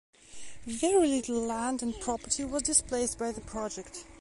Very little land and property was displaced by the project.